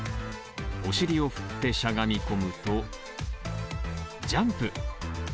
お尻を振ってしゃがみ込むとジャンプ。